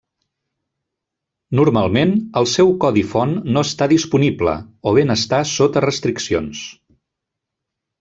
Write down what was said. Normalment, el seu codi font no està disponible, o bé n'està sota restriccions.